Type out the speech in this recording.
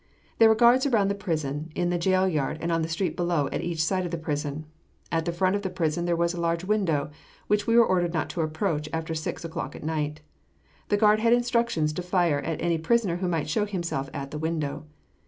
There were guards around the prison in the jail yard and on the street below at each side of the prison. At the front of the prison there was a large window, which we were ordered not to approach after six o'clock at night. The guard had instructions to fire at any prisoner who might show himself at the window.